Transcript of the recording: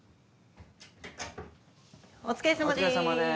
お疲れさまです。